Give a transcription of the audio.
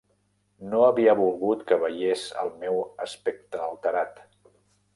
No havia volgut que veiés els meu aspecte alterat.